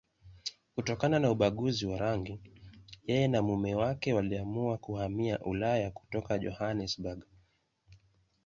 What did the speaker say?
Kutokana na ubaguzi wa rangi, yeye na mume wake waliamua kuhamia Ulaya kutoka Johannesburg.